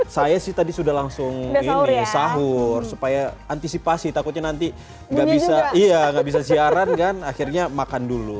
saya sih tadi sudah langsung ini sahur supaya antisipasi takutnya nanti nggak bisa siaran kan akhirnya makan dulu